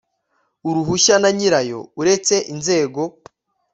uruhushya na nyirayo uretse inzego